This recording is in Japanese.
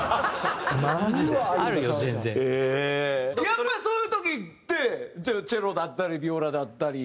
やっぱりそういう時ってチェロだったりビオラだったり。